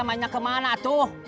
mainnya kemana tuh